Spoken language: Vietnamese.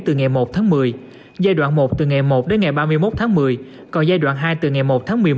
từ ngày một tháng một mươi giai đoạn một từ ngày một đến ngày ba mươi một tháng một mươi còn giai đoạn hai từ ngày một tháng một mươi một